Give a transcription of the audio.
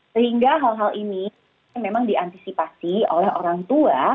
sehingga hal hal ini memang diantisipasi oleh orang tua